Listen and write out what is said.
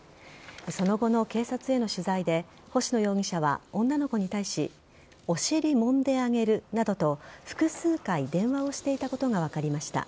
その後の警察への取材で星野容疑者は、女の子に対しお尻もんであげるなどと複数回、電話をしていたことが分かりました。